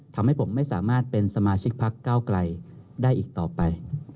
ทำให้ผมไม่สามารถเป็นสมาชิกพักเก้าไกลได้อีกต่อไป